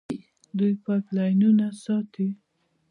دوی پایپ لاینونه ساتي.